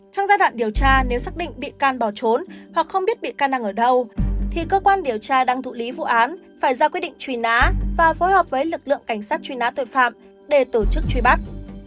trong giai đoạn điều tra nếu xác định bị can bỏ trốn hoặc không biết bị can năng ở đâu thì cơ quan điều tra đang thụ lý vụ án phải ra quyết định truy nã và phối hợp với lực lượng cảnh sát truy nã tội phạm để tổ chức truy bắt